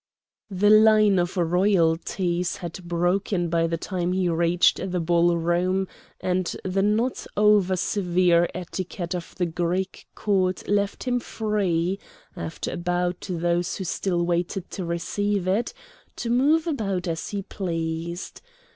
The line of royalties had broken by the time he reached the ballroom, and the not over severe etiquette of the Greek court left him free, after a bow to those who still waited to receive it, to move about as he pleased.